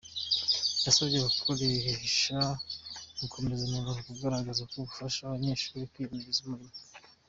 Yasabye abakoresha gukomeza umurava bagaragaza wo gufasha abanyeshuri kwimenyereza umurimo.